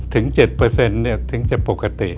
ถึง๗ถึงจะปกติ